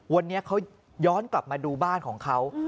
วันนี้เขาย้อนกลับมาดูบ้านของเขา